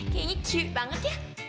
kayaknya cute banget ya